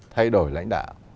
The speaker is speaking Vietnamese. thay đổi lãnh đạo